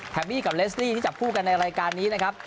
บี้กับเลสตี้ที่จับคู่กันในรายการนี้นะครับ